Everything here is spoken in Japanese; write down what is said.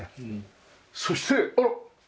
そしてあらっ！